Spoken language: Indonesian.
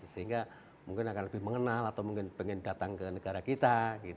sehingga mungkin akan lebih mengenal atau mungkin pengen datang ke negara kita